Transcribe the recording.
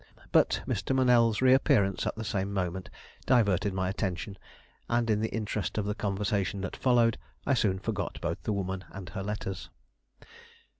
But Mr. Monell's reappearance at the same moment, diverted my attention, and in the interest of the conversation that followed, I soon forgot both the woman and her letters.